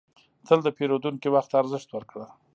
تل د پیرودونکي وخت ته ارزښت ورکړه.